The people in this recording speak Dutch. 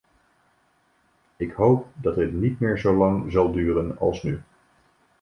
Ik hoop dat dit dan niet meer zo lang zal duren als nu.